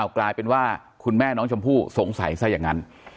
กลายเป็นว่าคุณแม่น้องชมพู่สงสัยซะอย่างนั้น